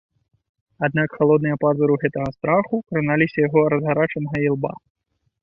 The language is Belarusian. Аднак халодныя пазуры гэтага страху краналіся яго разгарачанага ілба.